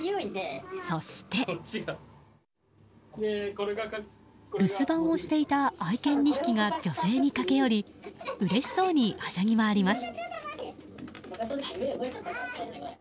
そして、留守番をしていた愛犬２匹が女性に駆け寄りうれしそうにはしゃぎ回ります。